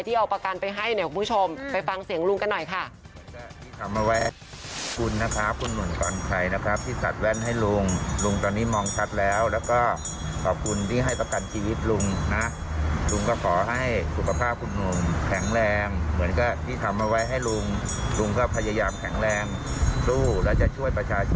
เอาประกันไปให้เนี่ยคุณผู้ชมไปฟังเสียงลุงกันหน่อยค่ะ